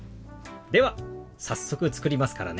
では早速作りますからね。